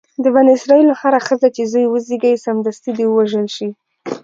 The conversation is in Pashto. د بني اسرایلو هره ښځه چې زوی وزېږوي سمدستي دې ووژل شي.